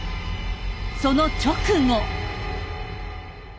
その直後。